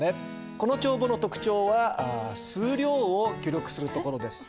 この帳簿の特徴は数量を記録するところです。